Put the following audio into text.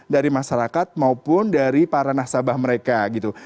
dari masyarakat maupun dari para nasabah mereka gitu